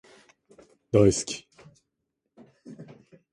大好き